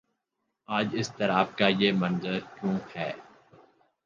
آج اضطراب کا یہ منظر کیوں ہے؟